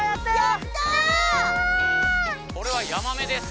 これはヤマメです。